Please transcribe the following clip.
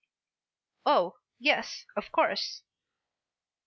"Oh, yes, of course."